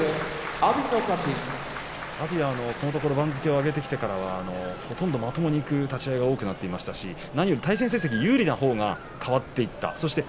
阿炎はこのところ番付を上げてきてからはほとんどまともにいく立ち合いが多くなってるんですがなにより対戦成績が優位なほうも変わってきましたね。